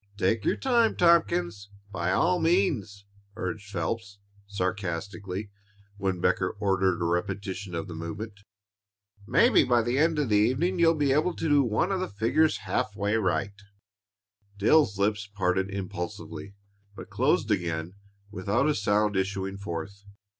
"Take your time, Tompkins, by all means," urged Phelps, sarcastically, when Becker ordered a repetition of the movement. "Maybe by the end of the evening you'll be able to do one of the figures half way right." Dale's lips parted impulsively, but closed again without a sound issuing forth.